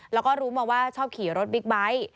แล้วก็รู้มาว่าชอบขี่รถบิ๊กไบท์